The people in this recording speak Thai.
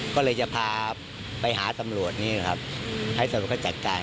ก็เลยจะพาไปหาตำรวจนี่ครับให้ตำรวจเขาจัดการ